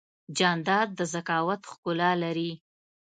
جانداد د ذکاوت ښکلا لري.